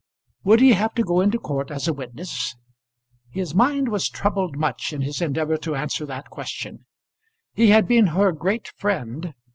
Would he have to go into court as a witness? His mind was troubled much in his endeavour to answer that question. He had been her great friend.